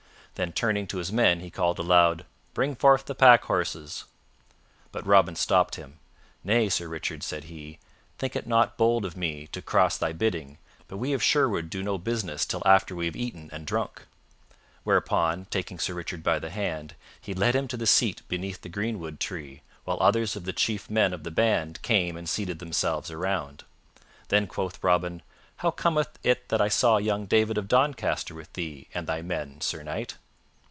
Then, turning to his men, he called aloud, "Bring forth the pack horses." But Robin stopped him. "Nay, Sir Richard," said he, "think it not bold of me to cross thy bidding, but we of Sherwood do no business till after we have eaten and drunk." Whereupon, taking Sir Richard by the hand, he led him to the seat beneath the greenwood tree, while others of the chief men of the band came and seated themselves around. Then quoth Robin, "How cometh it that I saw young David of Doncaster with thee and thy men, Sir Knight?"